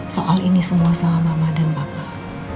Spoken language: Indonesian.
soal ini semua sama mama dan bapak